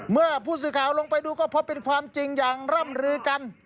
เมื่อผู้สื่อข่าวลงไปดูก็พบเป็นความจริงอย่างร่ำลือกัน